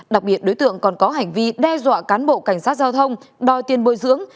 đặc biệt đối tượng còn có hành vi đe dọa cán bộ cảnh sát giao thông đòi tiền bồi dưỡng